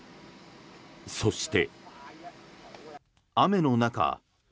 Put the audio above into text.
そして。